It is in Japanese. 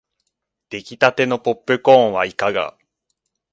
できたてのポップコーンはいかが